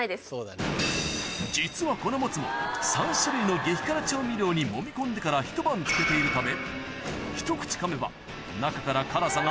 実はこのもつも３種類の激辛調味料にもみ込んでからあまりの辛さにといいなそれ。